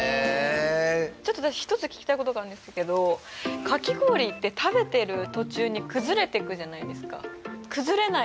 ちょっと私一つ聞きたいことがあるんですけどかき氷って食べてる途中に崩れていくじゃないですか